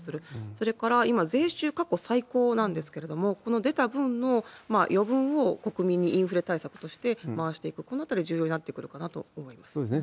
それから、今、税収、過去最高なんですけれども、この出た分の余分を国民にインフレ対策として回していく、このあたり、そうですね。